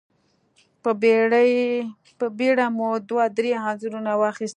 په بېړه مو دوه درې انځورونه واخيستل.